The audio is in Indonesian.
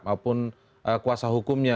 maupun kuasa hukumnya